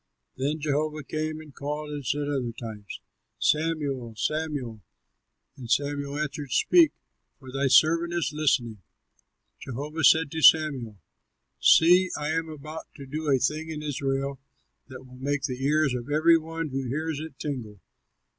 Then Jehovah came and called as at other times, "Samuel! Samuel!" And Samuel answered, "Speak, for thy servant is listening." Jehovah said to Samuel, "See, I am about to do a thing in Israel that will make the ears of every one who hears it tingle.